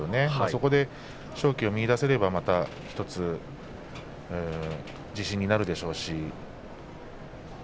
そこで勝機を見いだせればまた１つ自信になるでしょうし。